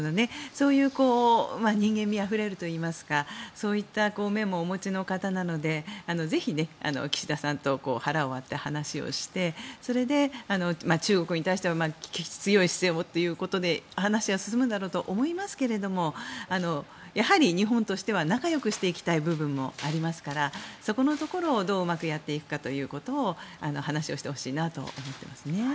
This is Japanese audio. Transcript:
そういう人間味あふれるというかそういった面もお持ちの方なのでぜひ岸田さんと腹を割って話をしてそれで、中国に対しては強い姿勢をということで話は進むだろうと思いますけれどやはり日本としては仲よくしていきたい部分もありますからそこのところをどううまくやっていくかということを話をしてほしいなと思っていますね。